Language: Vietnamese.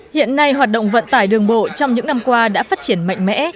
hiện nay hoạt động vận tải đường bộ trong những năm qua đã phát triển mạnh mẽ